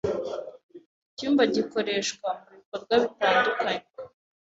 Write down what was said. Iki cyumba gikoreshwa mubikorwa bitandukanye.